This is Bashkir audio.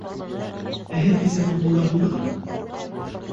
Ә һеҙ кисә футболда булдығыҙмы?